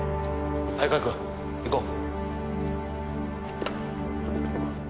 相川君行こう。